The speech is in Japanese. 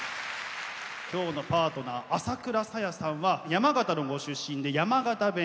今日のパートナー朝倉さやさんは山形のご出身で山形弁を使われます。